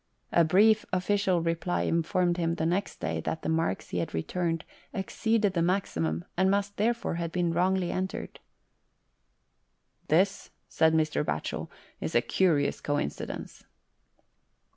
A brief official reply informed him next day that the marks he had returned exceeded the maximum, and must, therefore, have been wrongly entered. "This," said Mr. Batchel, "is a curious coincidence."